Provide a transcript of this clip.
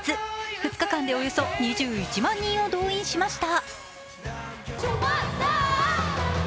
２日間でおよそ２１万人を動員しました。